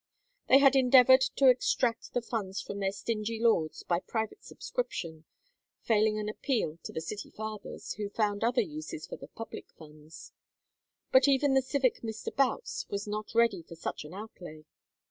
They had endeavored to extract the funds from their stingy lords by private subscription, failing an appeal to the City Fathers, who found other uses for the public funds; but even the civic Mr. Boutts was not ready for such an outlay.